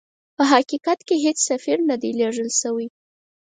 په حقیقت کې هیڅ سفیر نه دی لېږل سوی.